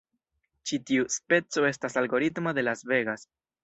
Ĉi tiu speco estas algoritmo de Las Vegas.